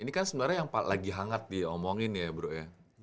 ini kan sebenernya yang lagi hangat diomongin ya bro ini kan sekarang